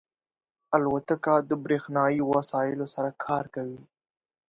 الوتکه د بریښنایی وسایلو سره کار کوي.